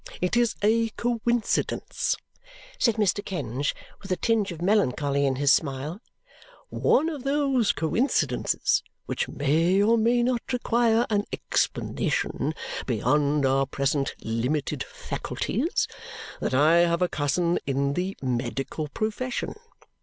It is a coincidence," said Mr. Kenge with a tinge of melancholy in his smile, "one of those coincidences which may or may not require an explanation beyond our present limited faculties, that I have a cousin in the medical profession.